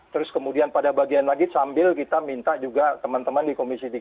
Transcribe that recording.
terus kemudian pada bagian lagi sambil kita minta juga teman teman di komisi tiga